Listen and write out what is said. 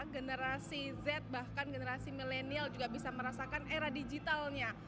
generasi z bahkan generasi milenial juga bisa merasakan era digitalnya